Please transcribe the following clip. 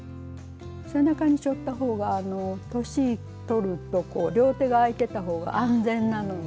背中にしょった方があの年取ると両手があいてた方が安全なので。